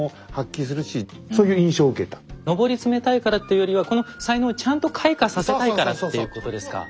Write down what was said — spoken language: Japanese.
上り詰めたいからっていうよりはこの才能をちゃんと開花させたいからっていうことですか。